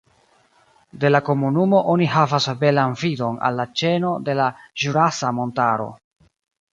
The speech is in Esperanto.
De la komunumo oni havas belan vidon al la ĉeno de la Ĵurasa Montaro.